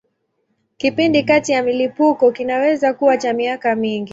Kipindi kati ya milipuko kinaweza kuwa cha miaka mingi.